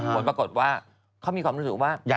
ผลปรากฏว่าเขามีความรู้สึกว่า